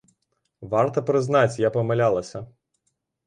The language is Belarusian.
Варта прызнаць, я памылялася.